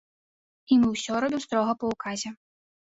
І мы ўсё робім строга па ўказе.